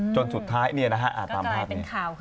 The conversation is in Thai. ถึงกลายเป็นข่าวขึ้นมานะ